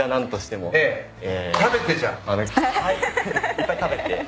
いっぱい食べて。